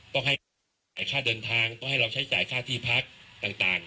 ต้องให้ค่าเดินทางต้องให้เราใช้จ่ายค่าที่พักต่าง